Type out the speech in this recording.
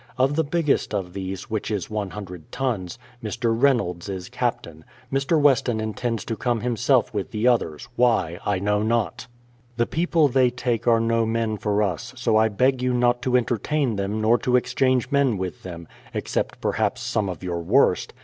Of the biggest of these, which is 100 tons, Mr. Reynolds is captain ; Mr. Weston intends to come himself with the others, — why I know not. The people they take are no men for us, so I beg you not to entertain them nor to exchange men with them, except perhaps some of your worst.